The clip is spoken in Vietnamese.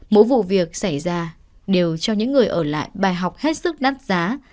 mỗi vụ việc xảy ra đều cho những người ở lại bài học hết sức đắt giá